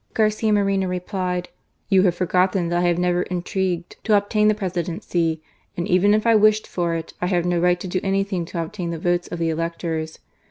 Garcia Moreno replied; "You have forgotten that I have never intrigued to obtain the Presidency, and even if I wished for it, I have no right to do any thing to obtain the votes of the electors.